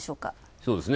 そうですね。